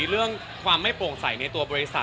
เรื่องความไม่โปร่งใสในตัวบริษัท